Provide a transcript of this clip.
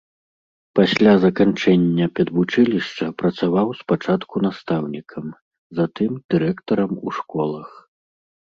Пасля заканчэння педвучылішча працаваў спачатку настаўнікам, затым дырэктарам у школах.